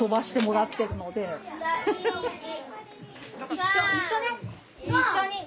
一緒ね一緒に。